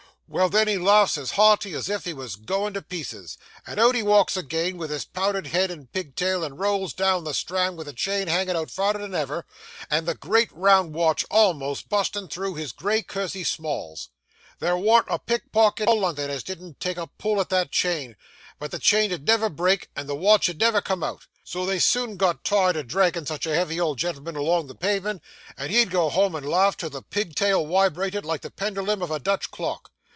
Well, then he laughs as hearty as if he was a goin' to pieces, and out he walks agin with his powdered head and pigtail, and rolls down the Strand with the chain hangin' out furder than ever, and the great round watch almost bustin' through his gray kersey smalls. There warn't a pickpocket in all London as didn't take a pull at that chain, but the chain 'ud never break, and the watch 'ud never come out, so they soon got tired of dragging such a heavy old gen'l'm'n along the pavement, and he'd go home and laugh till the pigtail wibrated like the penderlum of a Dutch clock.